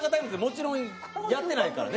もちろんこんなんやってないからね。